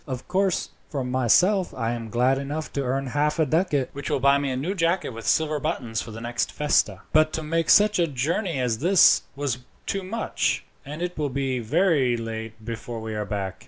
Of course, for myself, I am glad enough to earn half a ducat, which will buy me a new jacket with silver buttons for the next festa; but to make such a journey as this was too much, and it will be very late before we are back.